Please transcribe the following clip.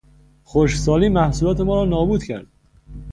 خشکسالی محصولات ما را نابود کرد.